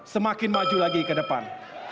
semakin maju lagi ke depan